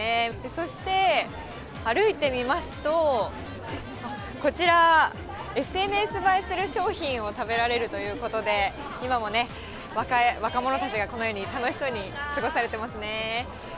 そして、歩いてみますと、こちら、ＳＮＳ映えする商品を食べられるということで、今もね、若者たちがこのように楽しそうに過ごされてますね。